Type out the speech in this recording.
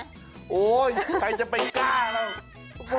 โธ่ใครจะไปกล้าแหละ